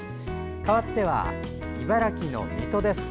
かわっては、茨城の水戸です。